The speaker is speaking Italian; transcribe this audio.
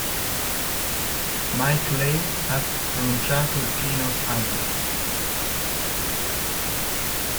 Mike Leigh ha pronunciato il "keynote address".